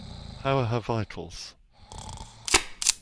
How are her vitals?